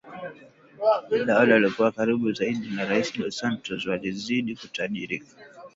ila wale walokuwa karibu zaidi na rais Dos Santos walizidi kutajirika